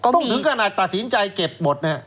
ต้องถึงกระหนักตัดสินใจเก็บหมด